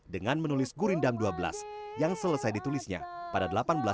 dengan menulis gurindam dua belas yang selesai ditulisnya pada seribu delapan ratus delapan puluh